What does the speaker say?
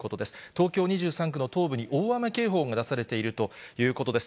東京２３区の東部に大雨警報が出されているということです。